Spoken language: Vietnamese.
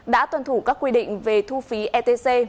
đã tuân thủ các quy định về thu phí etc